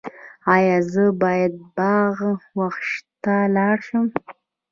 ایا زه باید باغ وحش ته لاړ شم؟